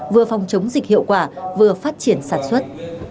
vừa phòng chống dịch hiệu quả vừa phát triển sản xuất